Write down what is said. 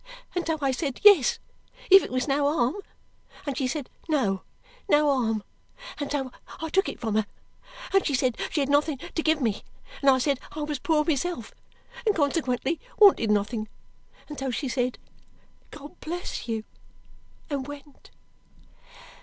And so I said yes, if it was no harm, and she said no no harm. And so I took it from her, and she said she had nothing to give me, and I said I was poor myself and consequently wanted nothing. And so she said God bless you, and went."